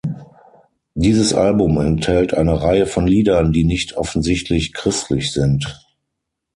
Dieses Album enthält eine Reihe von Liedern, die nicht offensichtlich „christlich“ sind.